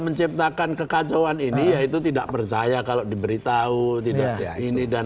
menciptakan kekacauan ini yaitu tidak percaya kalau diberitahu tidak ini dan